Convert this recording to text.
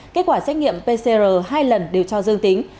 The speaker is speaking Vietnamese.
kết quả xét nghiệm pcr hai lần đều cho dương tính